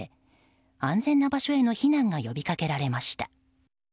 安全な場所への避難が呼びかけられました。